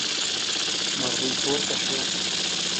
مرغۍ پورته شوه.